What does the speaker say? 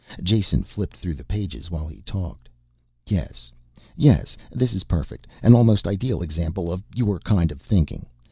Jason flipped through the pages while he talked. "Yes ... yes, this is perfect. An almost ideal example of your kind of thinking.